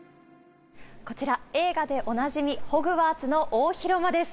こちら、映画でおなじみ、ホグワーツの大広間です。